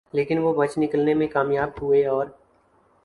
لیکن وہ بچ نکلنے میں کامیاب ہوئے اور